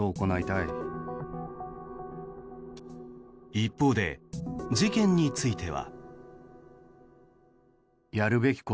一方で事件については。